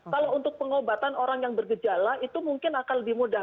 kalau untuk pengobatan orang yang bergejala itu mungkin akan lebih mudah